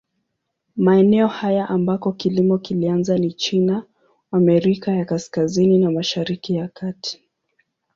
Maeneo haya ambako kilimo kilianza ni China, Amerika ya Kaskazini na Mashariki ya Kati.